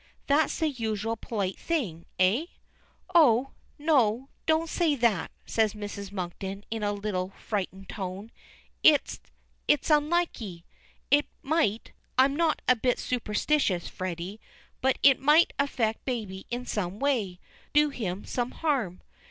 That's the usual polite thing, eh?" "Oh! no, don't say that," says Mrs. Monkton in a little, frightened tone. "It it's unlucky! It might I'm not a bit superstitious, Freddy, but it might affect baby in some way do him some harm."